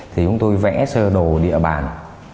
thì chúng tôi vẽ sơ đồ địa bàn